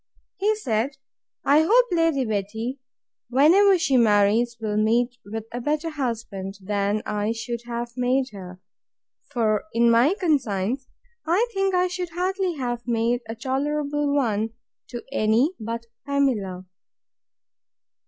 He said, I hope, Lady Betty, whenever she marries, will meet with a better husband than I should have made her; for, in my conscience, I think I should hardly have made a tolerable one to any but Pamela.